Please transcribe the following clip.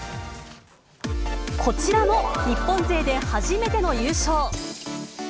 こちらも日本勢で初めての優勝。